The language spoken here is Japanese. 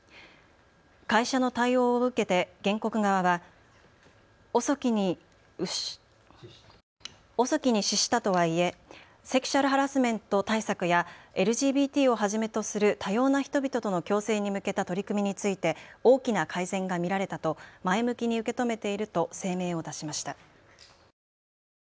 会社の対応を受けて原告側は遅きに失したとはいえセクシュアルハラスメント対策やＬＧＢＴをはじめとする多様な人々との共生に向けた取り組みについて大きな改善が見られたと前向きに受け止めていると声明を出しました。